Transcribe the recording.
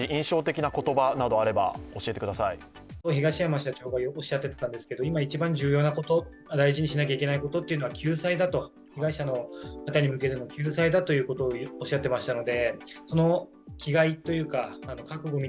東山社長がおっしゃっていたんですけど、今一番重要なこと、大事にしなければいけないことは救済だと、被害者の方に向けての救済だとおっしゃっていましたので。